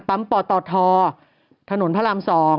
ปตทถนนพระราม๒